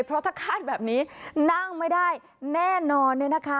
เพราะถ้าคาดแบบนี้นั่งไม่ได้แน่นอนเนี่ยนะคะ